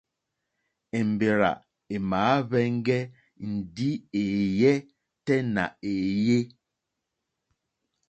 Èmbèrzà èmàáhwɛ̄ŋgɛ̄ ndí èéyɛ́ tɛ́ nà èéyé.